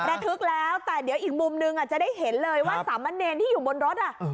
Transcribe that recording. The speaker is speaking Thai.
ระทึกแล้วแต่เดี๋ยวอีกมุมนึงจะได้เห็นเลยว่าสามะเนรที่อยู่บนรถอ่ะ